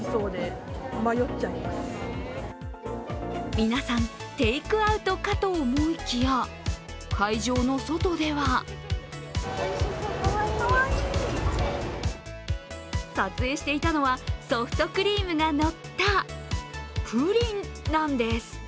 皆さんテイクアウトかと思いきや、会場の外では撮影していたのはソフトクリームが乗ったプリンなんです。